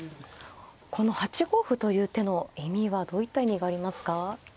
この８五歩という手の意味はどういった意味がありますか。